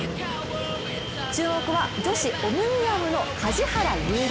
注目は、女子オムニアムの梶原悠未。